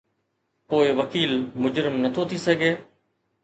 پوءِ وڪيل مجرم نٿو ٿي سگهي؟